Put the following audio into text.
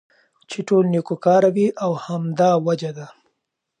چې ټول نيكو كاره وي او همدا وجه ده